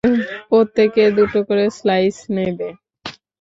প্রত্যেকে দুটো করে স্লাইজ নেবে।